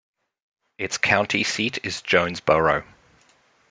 Its county seat is Jonesboro.